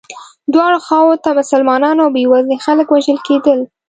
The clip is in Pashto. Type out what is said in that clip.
دواړو خواوو ته مسلمانان او بیوزلي خلک وژل کېدل.